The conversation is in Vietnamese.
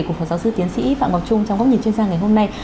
của phó giáo sư tiến sĩ phạm ngọc trung trong góc nhìn chuyên gia ngày hôm nay